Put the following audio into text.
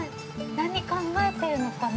◆何考えてるのかな。